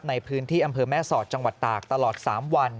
ในพื้นที่อำเภอแม่สอดจังหวัดตากตลอด๓วัน